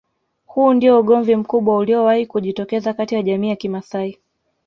Huu ndio ugomvi mkubwa uliowahi kujitokeza kati ya jamii ya kimasai